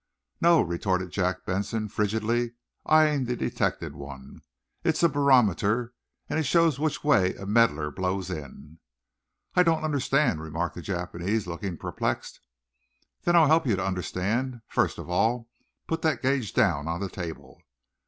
"No," retorted Jack Benson, frigidly, eyeing the detected one. "It's a barometer, and it shows which way a meddler blows in!" "I don't understand," remarked the Japanese, looking perplexed. "Then I'll help you to understand. First of all, put that gauge down on the table!"